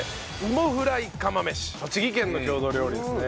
栃木県の郷土料理ですね。